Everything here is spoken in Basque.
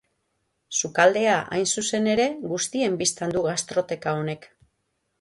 Sukaldea, hain zuzen ere, guztien bistan du gastroteka honek.